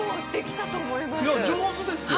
いや上手ですよ。